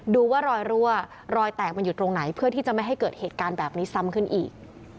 ดูว่ารอยรั่วรอยแตกมันอยู่ตรงไหนเพื่อที่จะไม่ให้เกิดเหตุการณ์แบบนี้ซ้ำขึ้นอีก